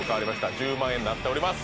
１０万円になっております